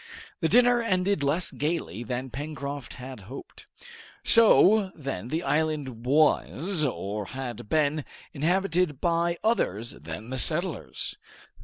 The dinner ended less gaily than Pencroft had hoped. So, then, the island was, or had been, inhabited by others than the settlers.